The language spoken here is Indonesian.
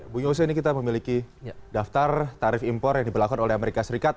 bung yose ini kita memiliki daftar tarif impor yang diberlakukan oleh amerika serikat